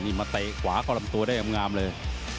นี่มาเตะขวาเข้าลำตัวได้งามเลย